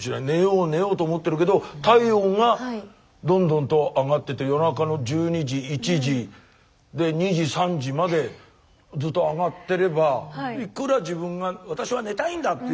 寝よう寝ようと思ってるけど体温がどんどんと上がってて夜中の１２時１時で２時３時までずっと上がってればいくら自分が私は寝たいんだ！